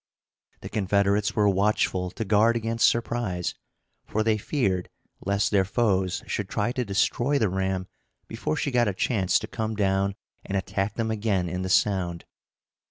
The Confederates were watchful to guard against surprise, for they feared lest their foes should try to destroy the ram before she got a chance to come down and attack them again in the Sound.